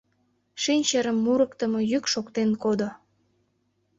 Шинчырым мурыктымо йӱк шоктен кодо.